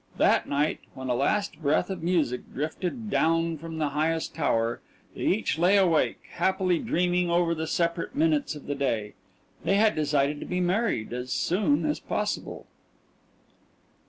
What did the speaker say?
That night, when a last breath of music drifted down from the highest tower, they each lay awake, happily dreaming over the separate minutes of the day. They had decided to be married as soon as possible.